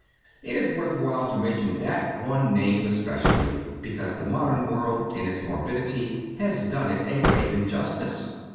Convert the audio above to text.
It is worth while to mention that one name especially, because the modern world in its morbidity has done it a grave injustice.